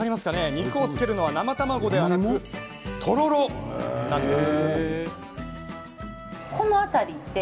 肉をつけるのは生卵でなく、とろろなんです。